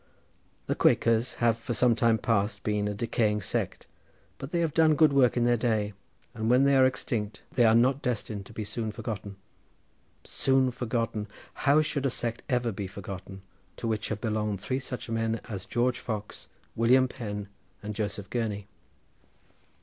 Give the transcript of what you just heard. The Quakers have for some time past been a decaying sect, but they have done good work in their day, and when they are extinct they are not destined to be soon forgotten. Soon forgotten! How should a sect ever be forgotten, to which have belonged three such men as George Fox, William Penn and Joseph Gurney?